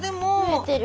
増えてる。